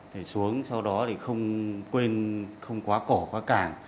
để xuống sau đó thì không quên không quá cỏ quá càng